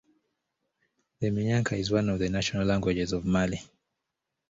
Minyanka is one of the national languages of Mali.